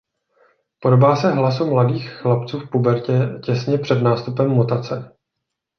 Podobá se hlasu mladých chlapců v pubertě těsně před nástupem mutace.